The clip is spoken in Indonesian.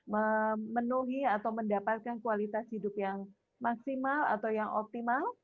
memenuhi atau mendapatkan kualitas hidup yang maksimal atau yang optimal